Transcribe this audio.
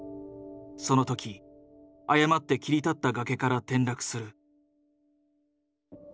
その時過って切り立った崖から転落する。